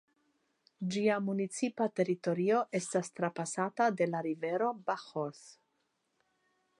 Ĝia municipa teritorio estas trapasata de la rivero Bajoz.